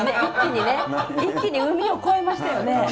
一気に海を越えましたよね。